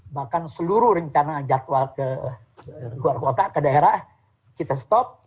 bahkan seluruh ringkana jadwal ke daerah kita stop